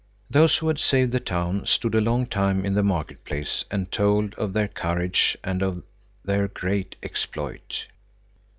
Those who had saved the town stood a long time in the market place and told of their courage and of their great exploit.